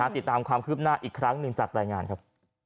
ติดตามความคืบหน้าอีกครั้งหนึ่งจากรายงานครับ